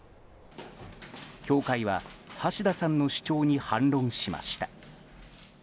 教会は、橋田さんの主張に反論しました。